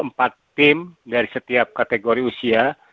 empat tim dari setiap kategori usia